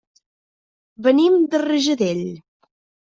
Venim de Rajadell.